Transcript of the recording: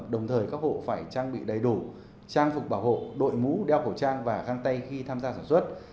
đồng thời các hộ phải trang bị đầy đủ trang phục bảo hộ đội mũ đeo khẩu trang và găng tay khi tham gia sản xuất